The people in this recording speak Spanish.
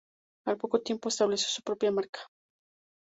Al poco tiempo estableció su propia marca.